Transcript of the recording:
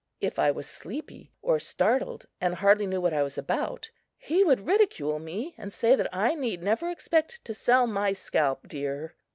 If I was sleepy or startled and hardly knew what I was about, he would ridicule me and say that I need never expect to sell my scalp dear.